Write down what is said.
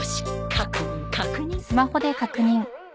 確認確認。